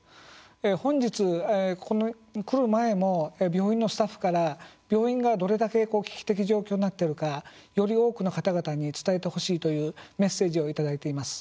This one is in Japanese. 本日、来る前も病院のスタッフから病院がどれだけ危機的状況になっているかより多くの方々に伝えてほしいというメッセージをいただいています。